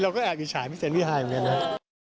เราก็แอบอิฉายพี่เซนพี่ฮายเหมือนกัน